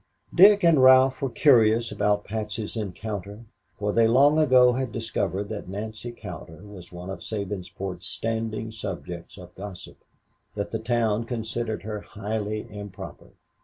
Dick and Ralph were curious about Patsy's encounter, for they long ago had discovered that Nancy Cowder was one of Sabinsport's standing subjects of gossip, that the town considered her highly improper.